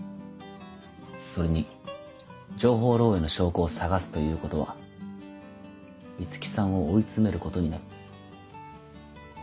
それに情報漏洩の証拠を探すということは五木さんを追い詰めることになる。